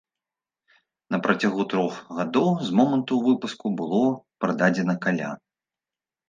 На працягу трох гадоў з моманту выпуску было прададзена каля.